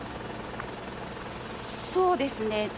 そうですね。